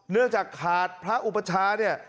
เนื่องจากขาดพระอุปชาเนี่ย